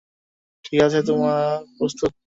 ঠিক আছে, তোমরা প্রস্তুত?